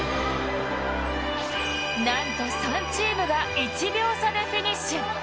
なんと３チームが１秒差でフィニッシュ。